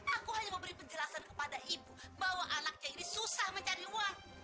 aku hanya memberi penjelasan kepada ibu bahwa anaknya ini susah mencari uang